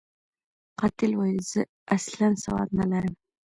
قاتل ویل، زه اصلاً سواد نلرم.